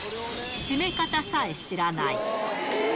締め方さえ知らない。